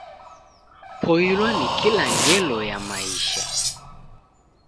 Poilwa ni kila ngelo ya maisha.